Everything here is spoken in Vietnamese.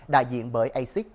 đại diện bởi asic